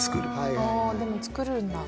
ああでも作るんだ。